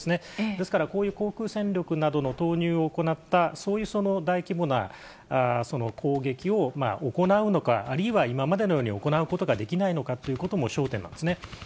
ですからこういう航空戦力などの投入を行った、そういう大規模な攻撃を行うのか、あるいは今までのように、行うことができないのかということも焦点なんですね。